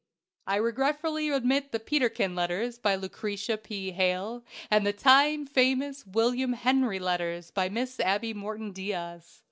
I regretfully omit the "Peterkin Letters," by Lucretia P. Hale, and time famous "William Henry Letters," by Mrs. Abby Morton Diaz.